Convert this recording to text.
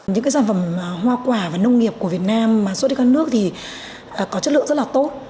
những cái sản phẩm hoa quả và nông nghiệp của việt nam mà xuất đi các nước thì có chất lượng rất là tốt